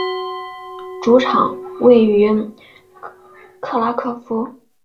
主场位于克拉科夫。